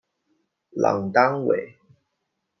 朗丹韦。